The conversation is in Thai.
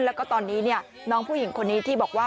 แล้วก็ตอนนี้น้องผู้หญิงคนนี้ที่บอกว่า